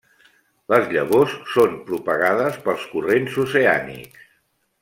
Les llavors són propagades pels corrents oceànics.